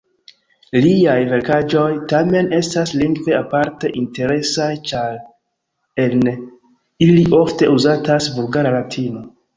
Liaj verkaĵoj tamen estas lingve aparte interesaj, ĉar en ili ofte uzatas vulgara latino.